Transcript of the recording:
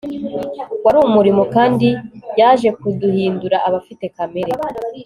wari umurimo Kandi yaje kuduhindura abafite kamere